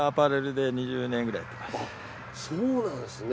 そうなんですよね。